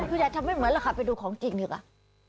พี่แดทำไม่เหมือนแหละค่ะไปดูของจริงดีกว่า